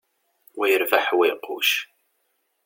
Wa yerbeḥ, wa iqucc.